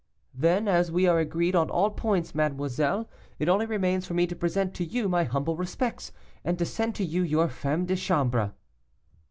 'Then, as we are agreed on all points, mademoiselle, it only remains for me to present to you my humble respects, and to send to you your femme de chambre.